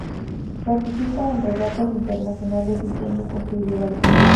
Participa en regatas internacionales, diseña y construye barcos.